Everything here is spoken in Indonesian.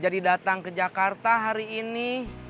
jadi datang ke jakarta hari ini